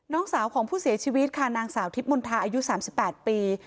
น้องสาวของผู้เสียชีวิตค่ะนางสาวทิพย์มณฑาอายุ๓๘ปี